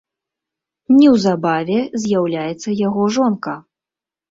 Неўзабаве з'яўляецца яго жонка.